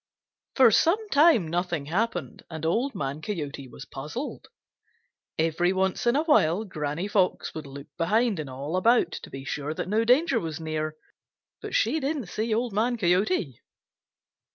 For some time nothing happened, and Old Man Coyote was puzzled. Every once in a while Granny Fox would look behind and all about to be sure that no danger was near, but she didn't see Old Man Coyote.